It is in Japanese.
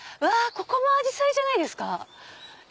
ここもアジサイじゃないですか。